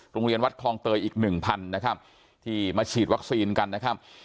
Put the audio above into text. โรงเรียนวัดคลองเตยอีกหนึ่งพันนะครับที่มาฉีดวัคซีนกันนะครับ